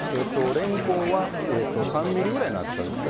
れんこんは３ｍｍぐらいの厚さですかね。